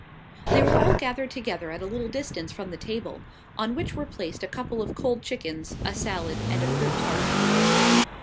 They were all gathered together at a little distance from the table, on which were placed a couple of cold chickens, a salad, and a fruit tart.